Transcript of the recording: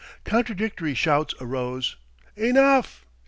Contradictory shouts arose, "Enough!